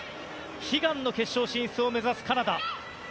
悲願の決勝進出を目指すカナダ。